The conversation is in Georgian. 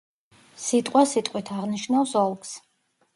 სიტყვასიტყვით აღნიშნავს „ოლქს“.